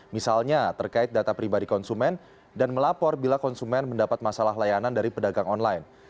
misalnya terkait data pribadi konsumen dan melapor bila konsumen mendapat masalah layanan dari pedagang online